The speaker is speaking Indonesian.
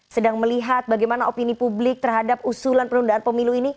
sedang melihat bagaimana opini publik terhadap usulan penundaan pemilu ini